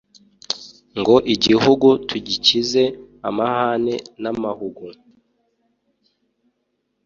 Ngo igihugu tugikize amahane n'amahugu